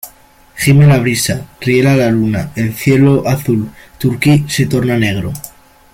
gime la brisa, riela la luna , el cielo azul turquí se torna negro